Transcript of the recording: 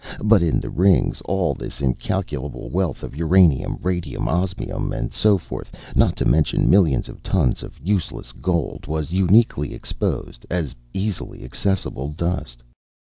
But in the Rings, all this incalculable wealth of uranium, radium, osmium, and so forth, not to mention millions of tons of useless gold, was uniquely exposed as easily accessible dust.